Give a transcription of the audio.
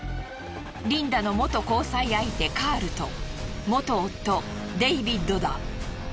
リンダの元交際相手カールと元夫デイビッドだ。